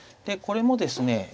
これもですね